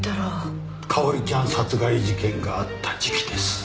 かおりちゃん殺害事件があった時期です。